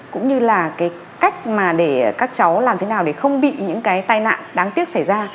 cũng như là cái cách mà để các cháu làm thế nào để không bị những cái tai nạn đáng tiếc xảy ra